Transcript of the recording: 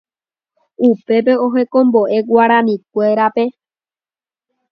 upépe ohekombo'e Guarinikuérape